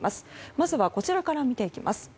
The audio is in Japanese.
まずはこちらから見ていきます。